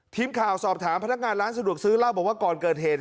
ทีมข่าวสอบถามพนักงานร้านสะดวกซื้อเล่าบอกว่าก่อนเกิดเหตุ